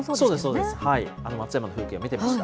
そうです、松山の風景を見てました。